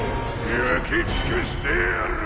焼きつくしてやる！